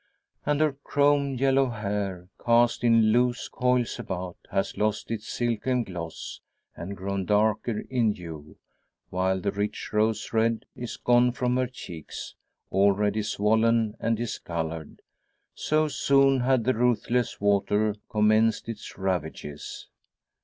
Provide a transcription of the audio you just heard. And her chrome yellow hair, cast in loose coils about, has lost its silken gloss, and grown darker in hue: while the rich rose red is gone from her cheeks, already swollen and discoloured; so soon had the ruthless water commenced its ravages!